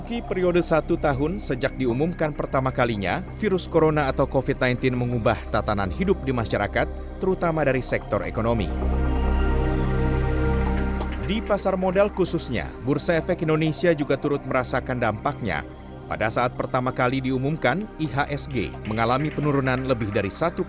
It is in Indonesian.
ihsg menurut pemerintah indonesia